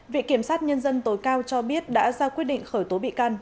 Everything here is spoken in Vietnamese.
viện kiểm sát nhân dân tối cao cho biết đã ra quyết định khởi tố bị can